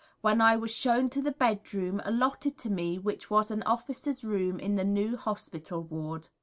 when I was shown to the bedroom allotted to me which was an officer's room in the new Hospital Ward.